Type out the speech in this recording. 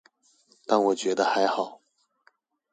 但我覺得還好